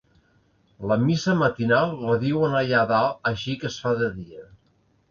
La missa matinal la diuen allà dalt així que es fa de dia.